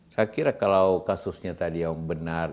saya kira kalau kasusnya tadi yang benar